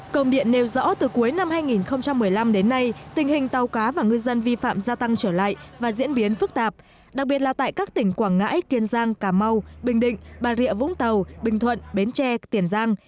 công điện nêu rõ từ cuối năm hai nghìn một mươi năm đến nay tình hình tàu cá và ngư dân vi phạm gia tăng trở lại và diễn biến phức tạp đặc biệt là tại các tỉnh quảng ngãi kiên giang cà mau bình định bà rịa vũng tàu bình thuận bến tre tiền giang